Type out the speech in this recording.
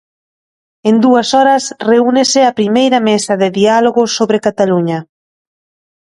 En dúas horas reúnese a primeira mesa de diálogo sobre Cataluña.